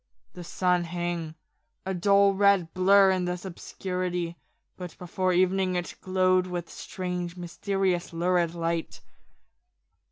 The sun hung, a dull red blur in this obscurity ; but before evening it glowed with strange, mysterious, lurid light.